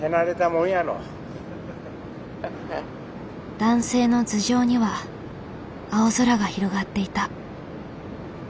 男性の頭上には青空が広がっていた。